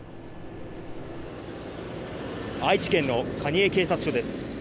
愛知県の蟹江警察署です。